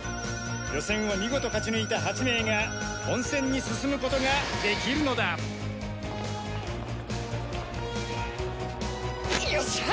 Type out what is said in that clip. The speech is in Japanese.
予選を見事勝ち抜いた８名が本戦に進むことができるのだよっしゃ！